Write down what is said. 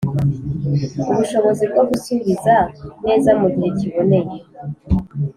ubushobozi bwo gusubiza neza mu gihe kiboneye